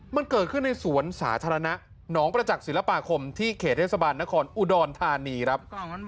มันเกิดขึ้นในสวนสาธารณะหนองประจักษ์ศิลปาคมที่เขตเทศบาลนครอุดรธานีครับ